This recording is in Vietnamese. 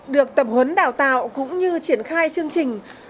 được tập huấn đào tạo cũng như triển khai chương trình